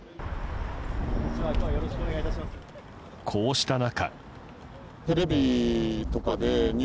こうした中。